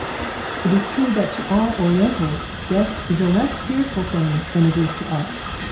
It is true that to all Orientals death is a less fearful thing than it is to us.